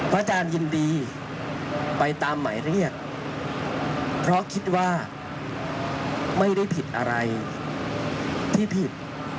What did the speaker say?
อาจารย์ยินดีไปตามหมายเรียกเพราะคิดว่าไม่ได้ผิดอะไรที่ผิด